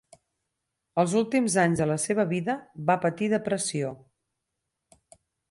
Els últims anys de la seva vida, va patir depressió.